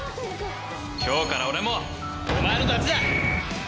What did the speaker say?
今日から俺もお前のダチだ！